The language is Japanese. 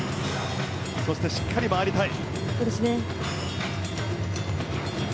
そしてしっかり回りたい。